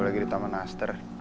gue lagi di taman aster